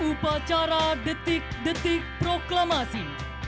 upacara detik detik proklamasi